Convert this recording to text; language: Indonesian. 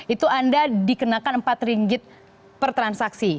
itu anda dikenakan empat ringgit per transaksi